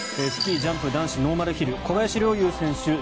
スキージャンプ男子ノーマルヒル小林陵侑選手